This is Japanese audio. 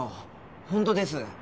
本当です。